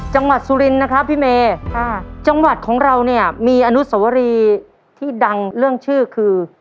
จังหวัดสุรินทร์นะครับพี่เมจังหวัดของเรามีอนุสวรีที่ดังเรื่องชื่อคือ